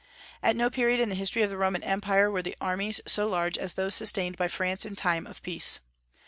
At no period in the history of the Roman empire were the armies so large as those sustained by France in time of peace.